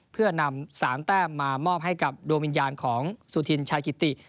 เพื่อนำ๓แต้มมามอบให้กับดวงวิญญาณของสุธินชายกิติ